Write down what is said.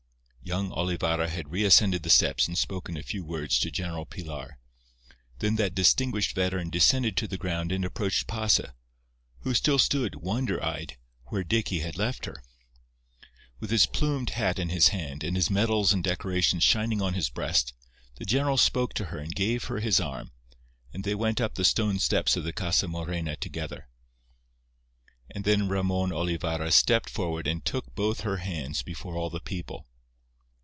Young Olivarra had reascended the steps and spoken a few words to General Pilar. Then that distinguished veteran descended to the ground and approached Pasa, who still stood, wonder eyed, where Dicky had left her. With his plumed hat in his hand, and his medals and decorations shining on his breast, the general spoke to her and gave her his arm, and they went up the stone steps of the Casa Morena together. And then Ramon Olivarra stepped forward and took both her hands before all the people.